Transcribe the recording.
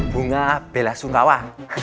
bunga bela sungkawa